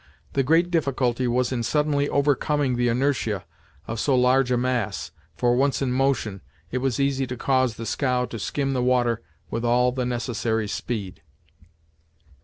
The great difficulty was in suddenly overcoming the inertia of so large a mass, for once in motion, it was easy to cause the scow to skim the water with all the necessary speed.